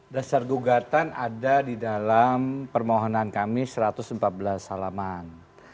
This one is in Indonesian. dasar gugatan ada di dalam permohonan kami satu ratus empat belas salaman